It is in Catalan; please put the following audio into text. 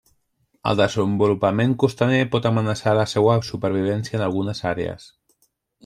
El desenvolupament costaner pot amenaçar la seua supervivència en algunes àrees.